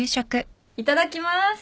いただきます。